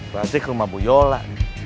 kau aja ke rumah bu yola